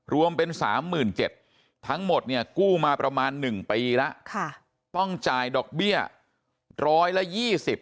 รวมเป็น๓๗๐๐๐ทั้งหมดเนี่ยกู้มาประมาณ๑ปีแล้วต้องจ่ายดอกเบี้ย๑๒๐บาท